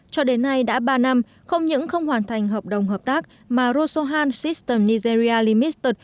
cho đến nay đã ba năm không những không hoàn thành hợp đồng hợp tác mà rosohan system nigeria limited